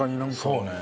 そうね。